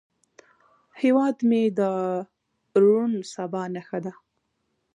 هیواد مې د روڼ سبا نښه ده